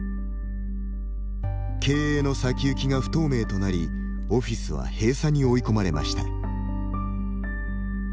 経営の先行きが不透明となりオフィスは閉鎖に追い込まれました。